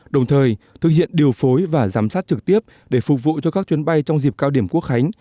đồng thời thực hiện điều phối và giám sát trực tiếp để phục vụ cho các chuyến bay trong dịp cao điểm quốc khánh